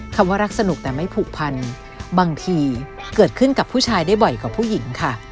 คำว่ารักสนุกแต่ไม่ผูกพันบางทีเกิดขึ้นกับผู้ชายได้บ่อยกว่าผู้หญิงค่ะ